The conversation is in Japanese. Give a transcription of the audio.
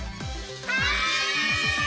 はい！